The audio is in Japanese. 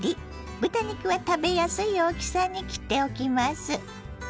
豚肉は食べやすい大きさに切っておきます。